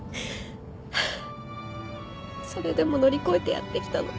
それでも乗り越えてやってきたの。